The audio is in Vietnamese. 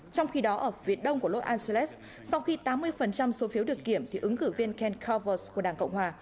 trong khi đó ở phía đông của los anceles sau khi tám mươi số phiếu được kiểm thì ứng cử viên ken kovers của đảng cộng hòa